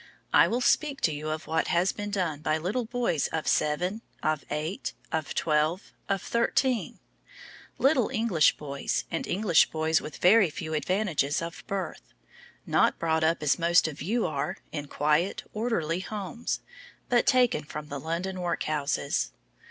I will speak to you of what has been done by little boys of seven, of eight, of twelve, of thirteen; little English boys, and English boys with very few advantages of birth; not brought up, as most of you are, in quiet, orderly homes, but taken from the London workhouses.